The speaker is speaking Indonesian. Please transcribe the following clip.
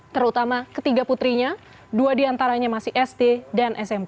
terutama ketiga putrinya dua diantaranya masih sd dan smp